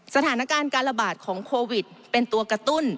สถานการณ์การระบาดของโควิดเป็นตัวกระตุ้น